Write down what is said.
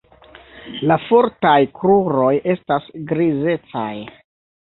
La fortaj kruroj estas grizecaj.